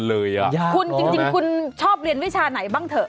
คุณจริงคุณชอบเรียนวิชาไหนบ้างเถอะ